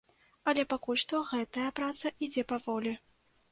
Але пакуль што гэтая праца ідзе паволі.